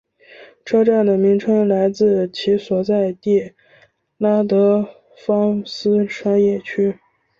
车站的名称来自其所在地拉德芳斯商业区。